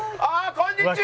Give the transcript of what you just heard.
こんにちは。